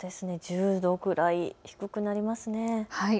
１０度ぐらい低くなりますね。